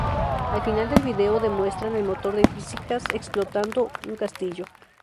Al final del vídeo demuestran el motor de físicas explotando un castillo.